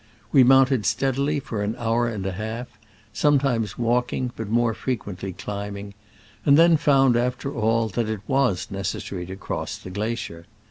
We mounted steadily for an hour and a half, sometimes walking, but more frequently climbing, and then found, after all, that it was necessary to cross the glacier.